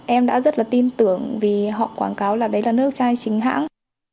em đã rất là tin tưởng vì họ quảng cáo là đấy là nước chai chính hãng